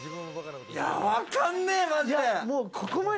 わかんねえ、マジで。